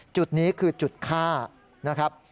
จุดนี้คือจุดฆ่านะครับ